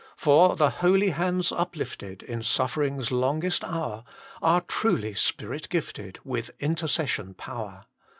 For the holy hands uplifted In suffering s longest hour Are truly Spirit gifted With intercession power.